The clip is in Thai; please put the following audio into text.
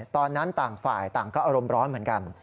ตอนนั้นต่างฝ่ายต่างก็อารมณ์ร้อนเหมือนกัน